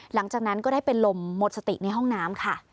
หลังจากนั้นก็ได้เป็นลมหมดสติในห้องน้ำค่ะ